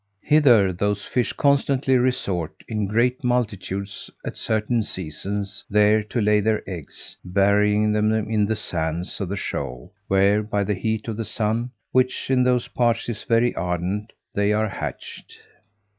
Hither those fish constantly resort in great multitudes, at certain seasons, there to lay their eggs, burying them in the sands of the shoal, where, by the heat of the sun, which in those parts is very ardent, they are hatched.